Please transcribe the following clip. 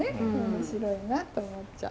面白いなと思っちゃう。